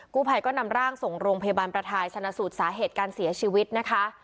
ผู้ภัยก็นำร่างส่งโรงพยาบาลประทายชนะสูตรสาเหตุการเสียชีวิตนะคะ